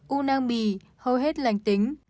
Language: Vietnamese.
u nang bì hầu hết lành tính